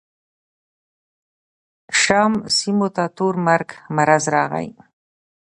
شام سیمو ته تور مرګ مرض راغلی.